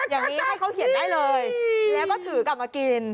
อย่างนี้ให้เขาเขียนได้เลยแล้วก็ถือกลับมากิน